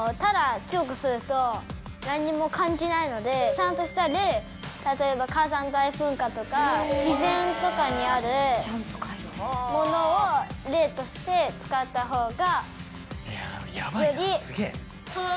ちゃんとした例例えば「火山大噴火」とか自然とかにあるものを例として使ったほうがより。